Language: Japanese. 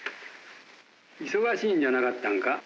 忙しいんじゃなかったんか。